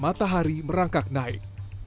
matahari merangkak naik